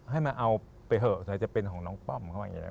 ให้มาเอาไปแล้วให้เป็นของน้องป้อม